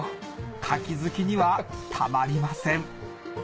カキ好きにはたまりません